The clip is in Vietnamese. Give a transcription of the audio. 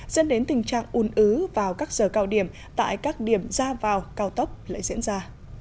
dẫn đến tình trạng un ứ vào các giờ cao điểm tại các điểm ra vào cao tốc lại diễn ra